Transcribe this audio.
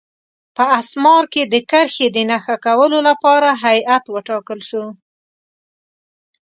په اسمار کې د کرښې د نښه کولو لپاره هیات وټاکل شو.